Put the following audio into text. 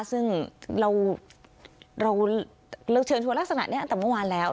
ซึ่งเราเชิญชวนลักษณะนี้ตั้งแต่เมื่อวานแล้ว